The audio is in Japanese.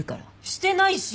してないし！